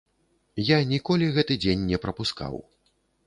Я ніколі гэты дзень не прапускаў.